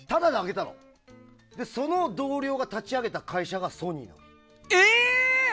その同僚が立ち上げた会社がえー！